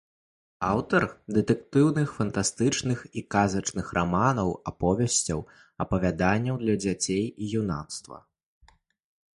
Аўтар дэтэктыўных, фантастычных і казачных раманаў, аповесцяў, апавяданняў для дзяцей і юнацтва.